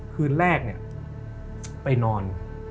คืนแรกเนี่ยไปนอน